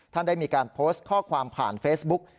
ท่านได้มีการโพสต์ข้อความผ่านเฟซบุ๊ก